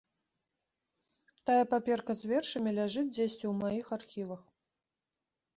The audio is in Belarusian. Тая паперка з вершамі ляжыць дзесьці ў маіх архівах.